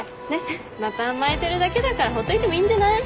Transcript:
また甘えてるだけだからほっといてもいいんじゃない？